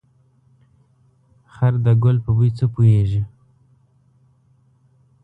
خر ده ګل په بوی څه پوهيږي.